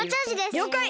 りょうかい！